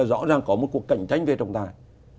rõ ràng có một cuộc cạnh tranh về trọng tài